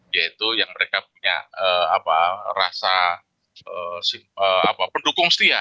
yaitu yang mereka punya rasa pendukung setia